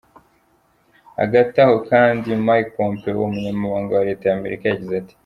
Hagati aho kandi, Mike Pompeo, umunyamabanga wa leta y'Amerika, yagize ati:.